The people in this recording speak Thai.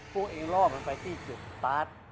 พวกเองล่อมันไปที่จุดสตาร์ท